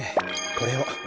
これを。